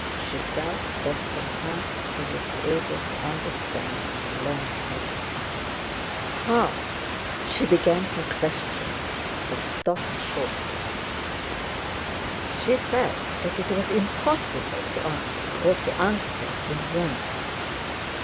She felt that from her she would be able to understand and learn everything. "How..." she began her question but stopped short. She felt that it was impossible to ask, or to answer, in words.